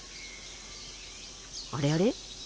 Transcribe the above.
あれあれ？